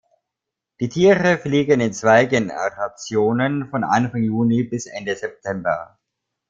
Die Tiere fliegen in zwei Generationen von Anfang Juni bis Ende September.